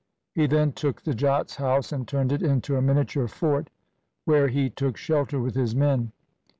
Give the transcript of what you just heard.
He then took the Jat's house, and turned it into a miniature fort where he took shelter with his men.